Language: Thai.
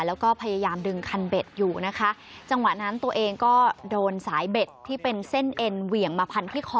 แล้วก็พยายามดึงคันเบ็ดอยู่นะคะจังหวะนั้นตัวเองก็โดนสายเบ็ดที่เป็นเส้นเอ็นเหวี่ยงมาพันที่คอ